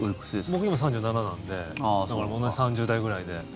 僕、今、３７なので同じ３０代くらいで。